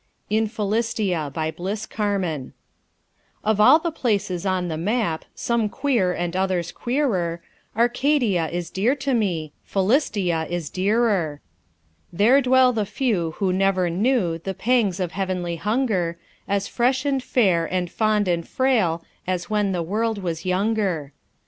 IN PHILISTIA BY BLISS CARMAN Of all the places on the map, Some queer and others queerer, Arcadia is dear to me, Philistia is dearer. There dwell the few who never knew The pangs of heavenly hunger As fresh and fair and fond and frail As when the world was younger.